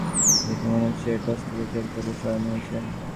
দেখে মনে হচ্ছে এটা অস্ত্রোপচার করে সরানো হয়েছে।